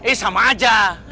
eh sama aja